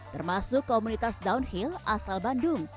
termasuk komunitas downhill asal bandung